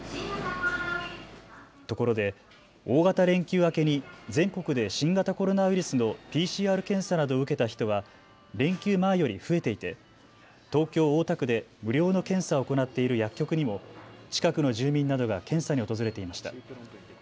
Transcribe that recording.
ところで大型連休明けに全国で新型コロナウイルスのＰＣＲ検査などを受けた人は連休前より増えていて東京大田区で無料の検査を行っている薬局にも近くの住民などが検査に訪れていました。